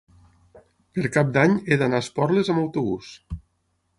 Per Cap d'Any he d'anar a Esporles amb autobús.